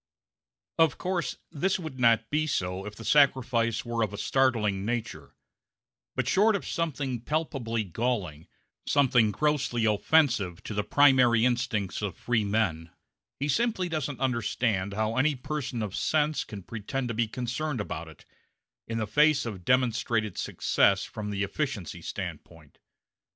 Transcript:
Of course this would not be so if the sacrifice were of a startling nature; but short of something palpably galling, something grossly offensive to the primary instincts of freemen, he simply doesn't understand how any person of sense can pretend to be concerned about it, in the face of demonstrated success from the efficiency standpoint.